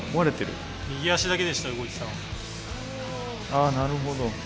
あなるほど。